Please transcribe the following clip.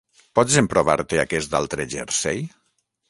Pots emprovar-te aquest altre jersei?